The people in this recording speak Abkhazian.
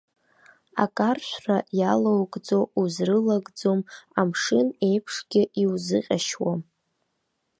Акаршәра иалоугӡо узрылагӡом, амшын еиԥшгьы иузыҟьашьуам.